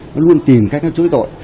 nó luôn tìm cách nó chối tội